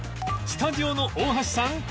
スタジオの大橋さん